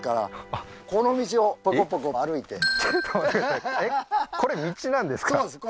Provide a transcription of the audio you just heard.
以降ちょっと待ってくださいえっ？